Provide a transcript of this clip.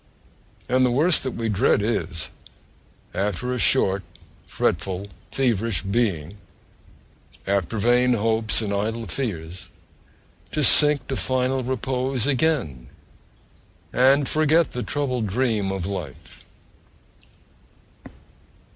And the worst that we dread is, after a short, fretful, feverish being, after vain hopes and idle fears, to sink to final repose again, and forget the troubled dream of life!...